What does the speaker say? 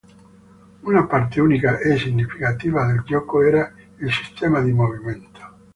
Una parte unica e significativa del gioco era il sistema di movimento.